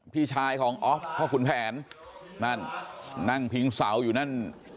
พี่ชายของออฟพ่อขุนแผนนั่นนั่งพิงเสาอยู่นั่น